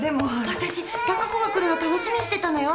わたし貴子が来るの楽しみにしてたのよ。